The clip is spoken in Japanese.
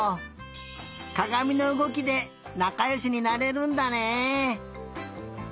かがみのうごきでなかよしになれるんだね。